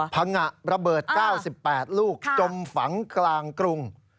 พังงะระเบิด๙๘ลูกจมฝังกลางกรุง